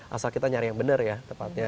asal kita nyari yang benar ya tepatnya